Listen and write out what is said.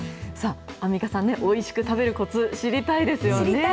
アンミカさん、おいしく食べるこつ、知りたいですよね。